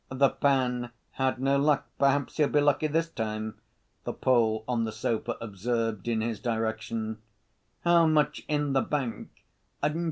"The pan had no luck, perhaps he'll be lucky this time," the Pole on the sofa observed in his direction. "How much in the bank?